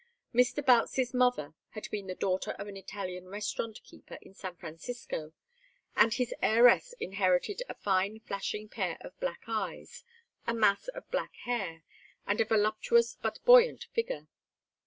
Mr. Boutts's mother had been the daughter of an Italian restaurant keeper in San Francisco, and his heiress inherited a fine flashing pair of black eyes, a mass of black hair, and a voluptuous but buoyant figure.